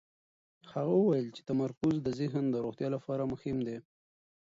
هغه وویل چې تمرکز د ذهن د روغتیا لپاره مهم دی.